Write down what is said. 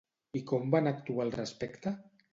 I com van actuar al respecte?